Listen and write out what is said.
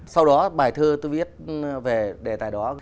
sau đó bài thơ tôi viết về đề tài đó